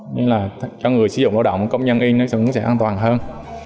nên là cho người sử dụng lao động công nhân in nó cũng sẽ an toàn hơn